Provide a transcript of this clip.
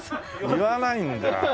言わないんだ。